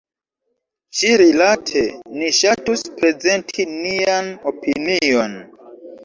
Ĉi-rilate ni ŝatus prezenti nian opinion.